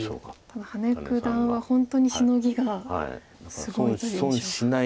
ただ羽根九段は本当にシノギがすごいという印象が。